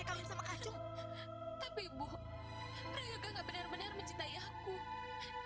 alkohol pelantin sudah datang